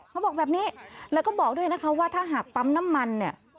เขาบอกแบบนี้แล้วก็บอกด้วยนะคะว่าถ้าหากปั๊มน้ำมันเนี่ย